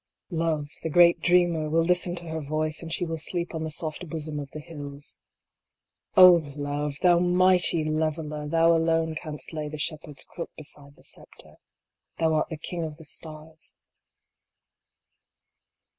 Love, the great Dreamer, will listen to her voice, and she will sleep on the soft bosom of the hills. O Love ! thou Mighty Leveler, Thou alone canst lay the shepherd s crook beside the sceptre, Thou art the King of the Stars.